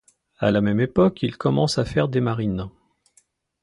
À la même époque, il commence à faire des marines.